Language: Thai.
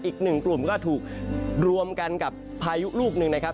อีกหนึ่งกลุ่มก็ถูกรวมกันกับพายุลูกหนึ่งนะครับ